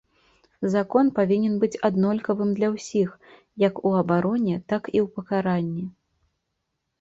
Закон павінен быць аднолькавым для ўсіх, як у абароне, так і ў пакаранні.